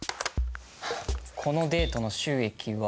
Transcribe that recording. このデートの収益は。